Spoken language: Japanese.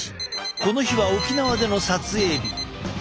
この日は沖縄での撮影日。